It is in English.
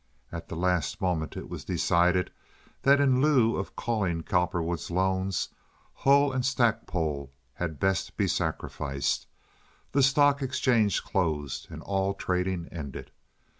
At the last moment it was decided that in lieu of calling Cowperwood's loans Hull & Stackpole had best be sacrificed, the stock exchange closed, and all trading ended.